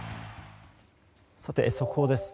速報です。